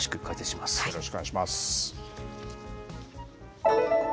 よろしくお願いします。